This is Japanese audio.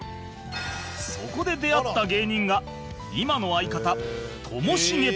そこで出会った芸人が今の相方ともしげ